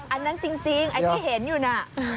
อันนั้นจริงไอ้ที่เห็นอยู่น่ะ